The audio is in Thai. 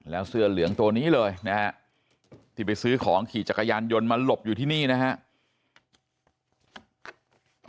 แล้วเสื้อเหลืองตัวนี้เลยนะฮะที่ไปซื้อของขี่จักรยานยนต์มาหลบอยู่ที่นี่นะครับ